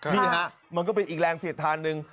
นี่ฮะมันก็เป็นอีกแรงเสียดทานหนึ่ง